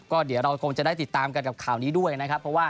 ก็เดี๋ยวเราคงจะได้ติดตามกันกับข่าวนี้ด้วยนะครับเพราะว่า